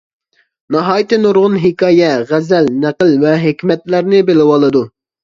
ناھايىتى نۇرغۇن ھېكايە، غەزەل، نەقىل ۋە ھېكمەتلەرنى بىلىۋالىدۇ.